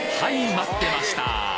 待ってました！